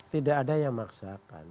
tidak ada yang memaksakan